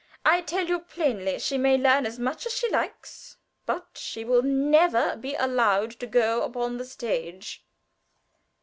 I tell you plainly. She may learn as much as she likes, but she will never be allowed to go upon the stage."